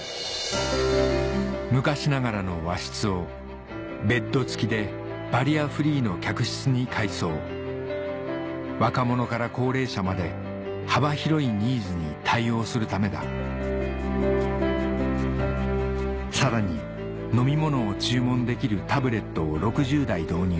昔ながらの和室をベッド付きでバリアフリーの客室に改装若者から高齢者まで幅広いニーズに対応するためださらに飲み物を注文できるタブレットを６０台導入